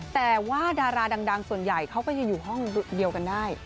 แต่ว่าดาราดังส่วนใหญ่เขาก็จะอยู่ห้องเดียวกันได้